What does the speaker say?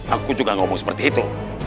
aku juga ngomong seperti itu